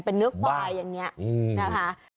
เป็นเนื้อควายอย่างนี้นะคะ